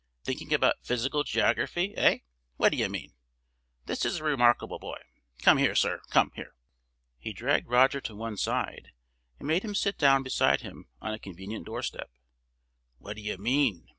"Thinking about Physical Geography, hey? What d'ye mean? This is a remarkable boy. Come here, sir! come here!" He dragged Roger to one side, and made him sit down beside him on a convenient doorstep. "What d'ye mean?"